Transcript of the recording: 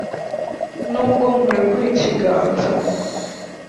Nubwo nkurekuye ikiganza